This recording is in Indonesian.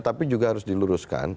dan tapi juga harus diluruskan